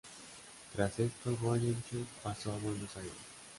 Tras esto, Goyeneche pasó a Buenos Aires.